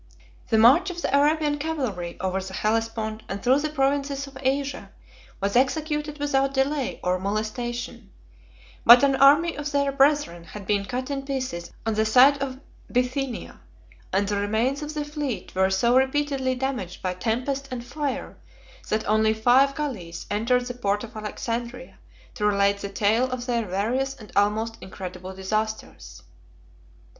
1411 The march of the Arabian cavalry over the Hellespont and through the provinces of Asia, was executed without delay or molestation; but an army of their brethren had been cut in pieces on the side of Bithynia, and the remains of the fleet were so repeatedly damaged by tempest and fire, that only five galleys entered the port of Alexandria to relate the tale of their various and almost incredible disasters.